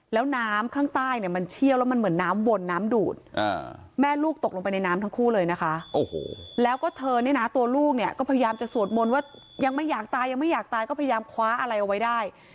แล้วน้ำข้างใต้เนี่ยมันเชี่ยวแล้วมันเหมือนน้ำวนน้ำดูดแม่ลูกตกลงไปในน้ำทั้งคู่เลยนะคะแล้วก็เธอเนี่ยนะตัวลูกเนี่ยก็พยายามจะสวดมนต์ว่ายังไม่อยากตายยังไม่อยากตายก็พยายามคว้าอะไรเอาไว้ได้